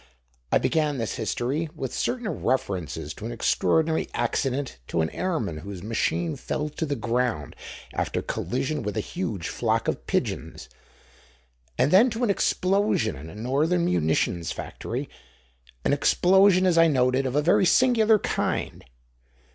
I began this history with certain references to an extraordinary accident to an airman whose machine fell to the ground after collision with a huge flock of pigeons; and then to an explosion in a northern munition factory, an explosion, as I noted, of a very singular kind.